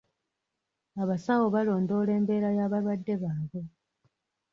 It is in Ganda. Abasawo balondoola embeera y'abalwadde baabwe.